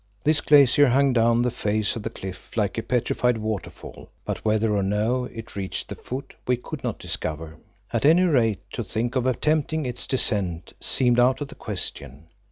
This glacier hung down the face of the cliff like a petrified waterfall, but whether or no it reached the foot we could not discover. At any rate, to think of attempting its descent seemed out of the question.